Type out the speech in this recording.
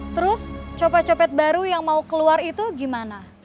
terus copet copet baru yang mau keluar itu gimana